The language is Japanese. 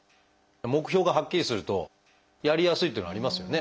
目標がはっきりするとやりやすいというのはありますよね。